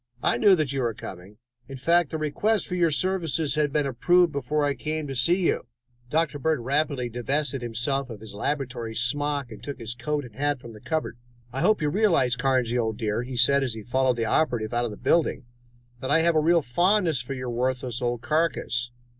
I knew that you were coming; in fact, the request for your services had been approved before I came here to see you." Dr. Bird rapidly divested himself of his laboratory smock and took his coat and hat from a cupboard. "I hope you realize, Carnsey, old dear," he said as he followed the operative out of the building, "that I have a real fondness for your worthless old carcass.